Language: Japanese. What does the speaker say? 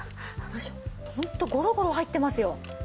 ホントゴロゴロ入ってますよ。